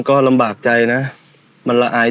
ก็ลำบากใจนะมันละอาย